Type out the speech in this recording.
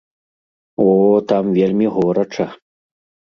О, там вельмі горача!